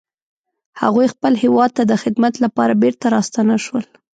هغوی خپل هیواد ته د خدمت لپاره بیرته راستانه شول